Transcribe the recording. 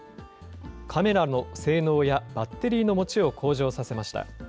カメラの性能やバッテリーのもちを向上させました。